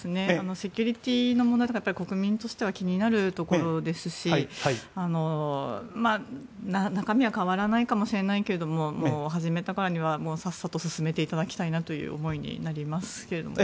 セキュリティーの問題とか国民としては気になるところですし中身は変わらないかもしれないけど始めたからにはさっさと進めていただきたいなという思いになりますけどね。